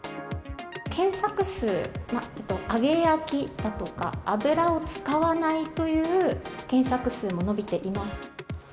検索数、揚げ焼きだとか、油を使わないという検索数も伸びています。